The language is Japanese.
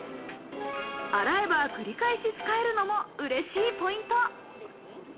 洗えば繰り返し使えるのも嬉しいポイント。